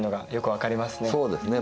そうですね。